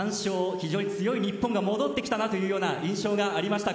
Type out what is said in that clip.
非常に強い日本が戻ってきたなという印象がありました。